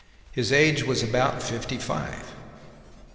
His age was about fifty five."